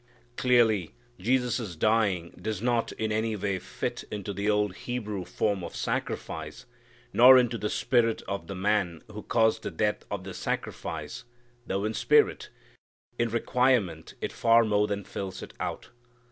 Clearly Jesus' dying does not in any way fit into the old Hebrew form of sacrifice, nor into the spirit of the man who caused the death of the sacrifice, though in spirit, in requirement it far more than fills it out.